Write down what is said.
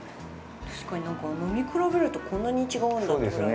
確かに、飲み比べると、こんなに違うんだってぐらい。